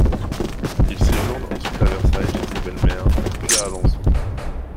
Il séjourne ensuite à Versailles chez sa belle-mère, puis à Alençon.